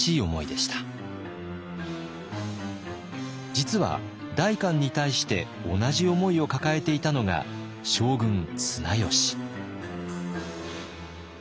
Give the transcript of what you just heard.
実は代官に対して同じ思いを抱えていたのが将軍綱吉。